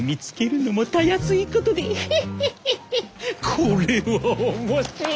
これは面白い！